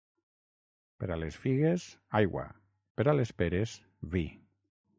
Per a les figues, aigua; per a les peres, vi.